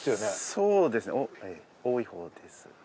そうですね多いほうです。